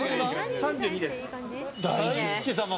３２です。